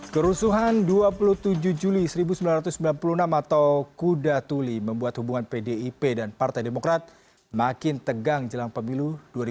kerusuhan dua puluh tujuh juli seribu sembilan ratus sembilan puluh enam atau kuda tuli membuat hubungan pdip dan partai demokrat makin tegang jelang pemilu dua ribu sembilan belas